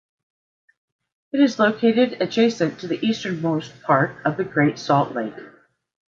It is located adjacent to the easternmost part of the Great Salt Lake.